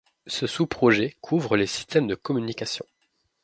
Ce sous-projet couvre les systèmes de communication.